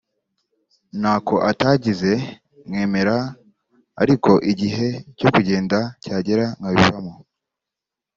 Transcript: ntako atangize nkemera ariko igihe cyo kugenda cyagera nkabivamo